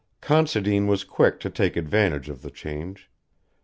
Considine was quick to take advantage of the change.